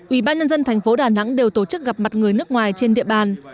ubnd tp đà nẵng đều tổ chức gặp mặt người nước ngoài trên địa bàn